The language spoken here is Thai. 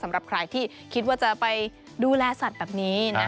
สำหรับใครที่คิดว่าจะไปดูแลสัตว์แบบนี้